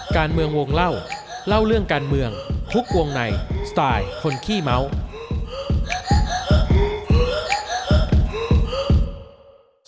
การเมืองวงเล่าเล่าเรื่องการเมืองทุกวงในสไตล์คนขี้เมา